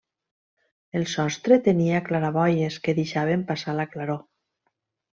El sostre tenia claraboies que deixaven passar la claror.